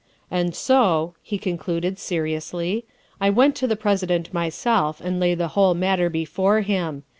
"And so," he concluded seriously, " I went to the President myself and laid the whole matter before him.